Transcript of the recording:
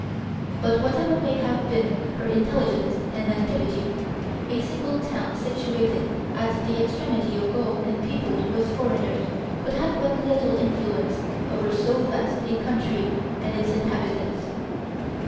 But whatever may have been her intelligence and activity, a single town situated at the extremity of Gaul and peopled with foreigners could have but little influence over so vast a country and its inhabitants.